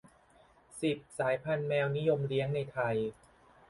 สิบ สายพันธุ์แมวนิยมเลี้ยงในไทย